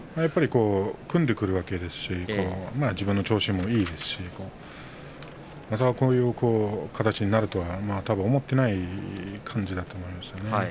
組んでくるわけですし自分の調子がいいですからこういう形になるとは思っていない感じだと思いますね。